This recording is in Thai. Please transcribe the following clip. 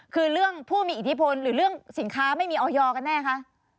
คือเรื่องผู้มีอิทธิพลหรือเรื่องสินค้าไม่มีออยกันแน่คะ